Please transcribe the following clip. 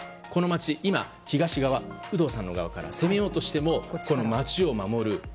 この街、東側有働さんの側から攻めようとしても街を守る